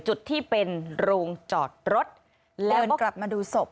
จุดที่เป็นโรงจอดรถแล้วกลับมาดูศพ